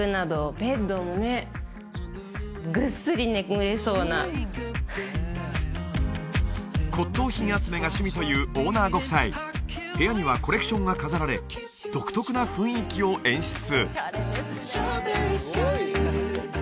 この部屋骨とう品集めが趣味というオーナーご夫妻部屋にはコレクションが飾られ独特な雰囲気を演出